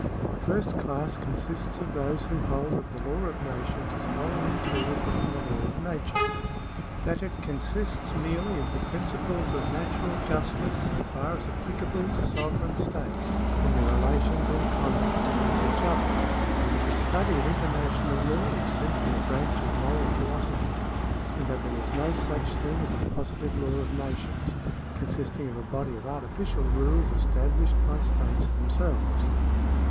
The first class consists of those who hold that the law of nations is wholly included within the law of nature — that it consists merely of the principles of natural justice so far as applicable to sovereign states in their relations and conduct towards each other — that the study of international law is simply a branch of moral philosophy — and that there is no such thing as a positive law of nations, consisting of a body of artificial rules estabhshed by states themselves.